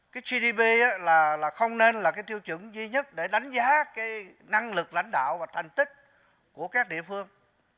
gdp không nên là tiêu chuẩn duy nhất để đánh giá năng lực lãnh đạo và thành tích của các địa phương